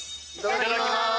いただきます！